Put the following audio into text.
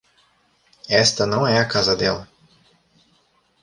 Esta não é a casa dela.